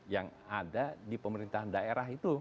yang ada di pemerintahan daerah itu